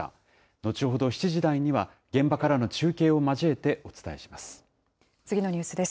後ほど７時台には現場からの中継を交えてお伝えします。